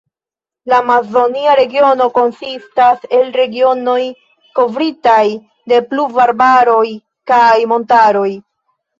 La Amazonia Regiono konsistas el regionoj kovritaj de pluvarbaro kaj montaroj.